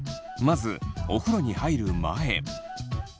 まずお風呂に入る前。